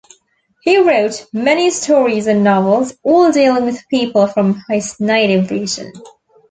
He wrote many stories and novels, all dealing with people from his native region.